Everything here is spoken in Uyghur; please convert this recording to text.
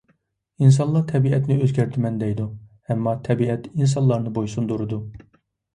ئىنسانلار تەبىئەتنى ئۆزگەرتىمەن دەيدۇ، ئەمما تەبىئەت ئىنسانلارنى بويسۇندۇرىدۇ.